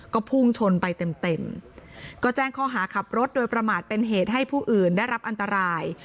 ก็พุ่งชนไปเต็มเต็มก็แจ้งข้อหาขับรถโดยประมาทเป็นเหตุให้ผู้อื่นได้รับอันตราย